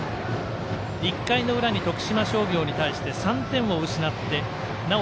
１回の裏に徳島商業に対して３点を失ってなお